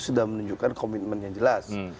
sudah menunjukkan komitmen yang jelas